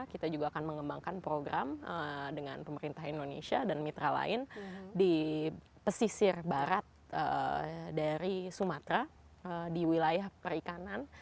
kita juga akan mengembangkan program dengan pemerintah indonesia dan mitra lain di pesisir barat dari sumatera di wilayah perikanan